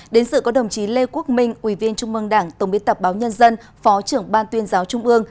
đến sự có đồng chí lê quốc minh ủy viên trung mương đảng tổng biên tập báo nhân dân phó trưởng ban tuyên giáo trung ương